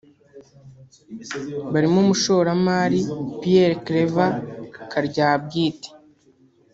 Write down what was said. barimo Umushoramari Pierre Claver Karyabwite